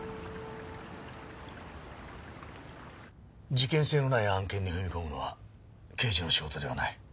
事件性のない案件に踏み込むのは刑事の仕事ではない。